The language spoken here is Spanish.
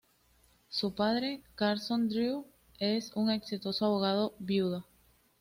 Su padre, Carson Drew, es un exitoso abogado viudo.